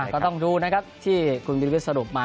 ก็ต้องดูนะครับที่คุณวิรวิทย์สรุปมา